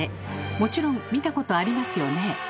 もちろん見たことありますよね？